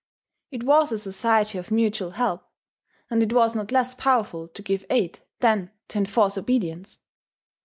It was a society of mutual help; and it was not less powerful to give aid, than to enforce obedience.